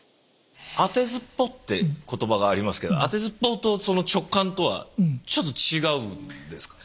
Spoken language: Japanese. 当てずっぽうって言葉がありますけど当てずっぽうとその直観とはちょっと違うんですか？